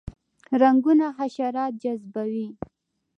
رنګونه حشرات جذبوي